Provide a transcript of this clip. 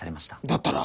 だったら。